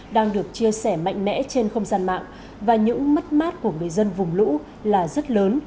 đang được chia sẻ mạnh mẽ trên không gian mạng và những mất mát của người dân vùng lũ là rất lớn